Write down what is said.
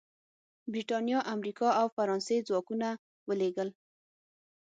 برېټانیا، امریکا او فرانسې ځواکونه ولېږل.